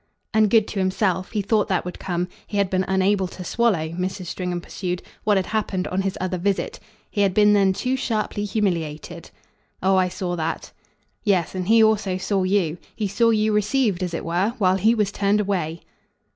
"And good to himself he thought that would come. He had been unable to swallow," Mrs. Stringham pursued, "what had happened on his other visit. He had been then too sharply humiliated." "Oh I saw that." "Yes, and he also saw you. He saw you received, as it were, while he was turned away."